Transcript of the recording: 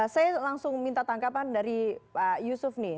saya langsung minta tangkapan dari pak yusuf nih